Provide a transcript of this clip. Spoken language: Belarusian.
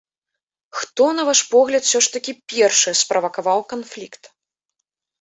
Хто, на ваш погляд, усё ж такі першы справакаваў канфлікт?